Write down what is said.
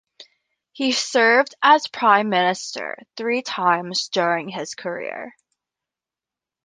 He served as Prime Minister three times during his career.